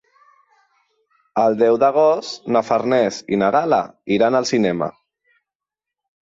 El deu d'agost na Farners i na Gal·la iran al cinema.